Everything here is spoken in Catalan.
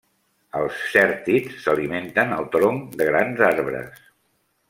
Els cèrtids s'alimenten al tronc de grans arbres.